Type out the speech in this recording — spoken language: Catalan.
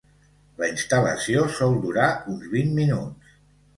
La instal·lació sol durar uns vint minuts.